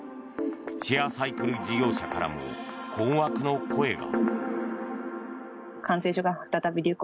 シェアサイクル事業者からも困惑の声が。